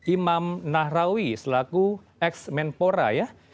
imam nahrawi selaku eks mentora ya